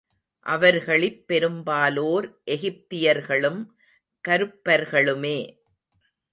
அவர்களிற் பெரும்பாலோர், எகிப்தியர்களும், கருப்பர்களுமே!